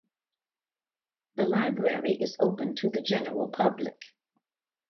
The Library is open to the general public.